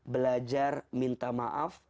belajar minta maaf